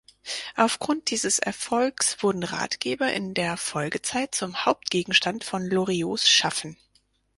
Aufgrund dieses Erfolgs wurden Ratgeber in der Folgezeit zum Hauptgegenstand von Loriots Schaffen.